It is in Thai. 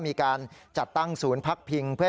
มีความรู้สึกว่าเกิดอะไรขึ้น